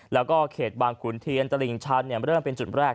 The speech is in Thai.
แล้วก็เขตบางขุนเทียนตลิ่งชันเริ่มเป็นจุดแรก